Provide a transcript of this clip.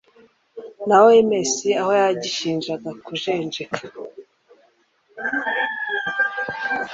na OMS aho yagishinzaga kujenjeka